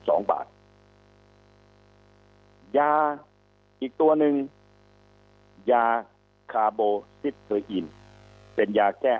สองบาทยาอีกตัวหนึ่งยาคาโบซิสเทอร์อินเป็นยาแก้